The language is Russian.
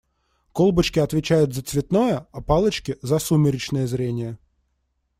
Колбочки отвечают за цветное, а палочки - за сумеречное зрение.